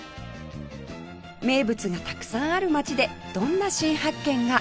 名物がたくさんある町でどんな新発見が？